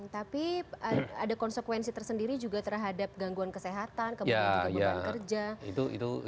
tapi ada konsekuensi tersendiri juga terhadap gangguan kesehatan kemudian juga beban kerja